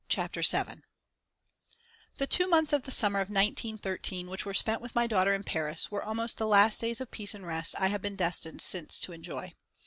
CHAPTER VII The two months of the summer of 1913 which were spent with my daughter in Paris were almost the last days of peace and rest I have been destined since to enjoy.